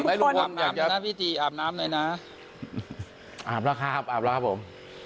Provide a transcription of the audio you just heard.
แล้วลุงพลอาบน้ำหน้าพี่ติอาบน้ำหน่อยนะอาบแล้วครับอาบแล้วครับผม